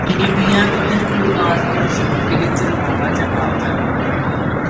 بیبیاں ادھر بھی اولاد کے حصول کےلئے چڑھاوا چڑھا کر